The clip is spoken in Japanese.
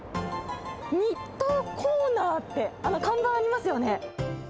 日東コーナーって、あの看板ありますよね。